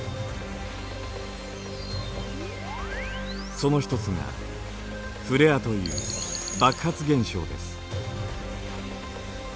その一つがフレアという爆発現象です。